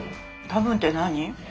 多分って何？